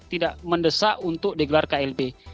tidak mendesak untuk digelar klb